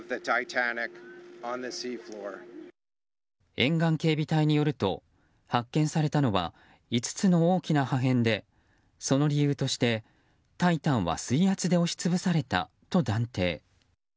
沿岸警備隊によると発見されたのは５つの大きな破片でその理由として「タイタン」は水圧で押し潰されたと断定。